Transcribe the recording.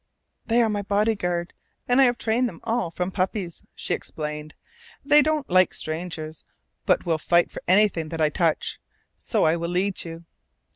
"They are my bodyguard, and I have trained them all from puppies," she explained. "They don't like strangers, but will fight for anything that I touch. So I will lead you."